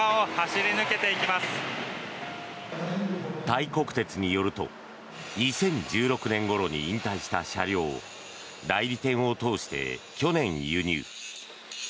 タイ国鉄によると２０１６年ごろに引退した車両を代理店を通して去年輸入。